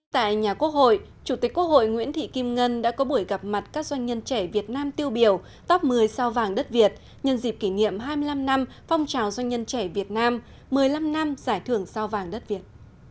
tại nhà quốc hội chủ tịch quốc hội nguyễn thị kim ngân đã có buổi gặp mặt các doanh nhân trẻ việt nam tiêu biểu top một mươi sao vàng đất việt nhân dịp kỷ niệm hai mươi năm năm phong trào doanh nhân trẻ việt nam một mươi năm năm giải thưởng sao vàng đất việt